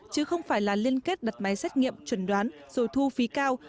chứ không phải là liên kết đặt máy xét nghiệm chuẩn đoán rồi thu phí cao